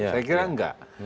saya kira enggak